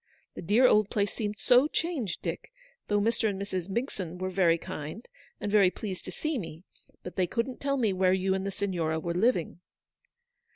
The dear old place seemed so changed, Dick, though Mr. and Mrs. Migson were very kind, and very pleased to see me, but they couldn't tell me where you and the Siguora were living."